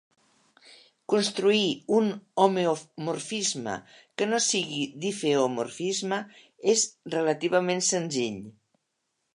Construir un homeomorfisme que no sigui difeomorfisme és relativament senzill.